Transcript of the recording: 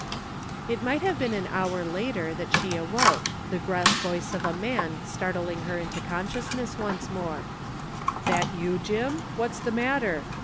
It might have been an hour later that she awoke, the gniS voice of a man startling her into consciousness once more :" That you, Jim? What's the matter?